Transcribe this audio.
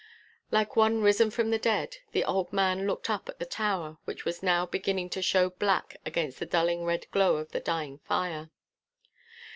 Like one risen from the dead, the old man looked up at the tower which was now beginning to show black against the dulling red glow of the dying fire.